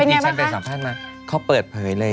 ที่ฉันไปสัมภาษณ์มาเขาเปิดเผยเลย